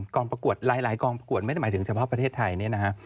ประกวดหลายกองประกวดไม่ได้หมายถึงเฉพาะประเทศไทยเนี่ยนะฮะ